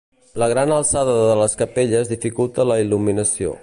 La gran alçada de les capelles dificulta la il·luminació.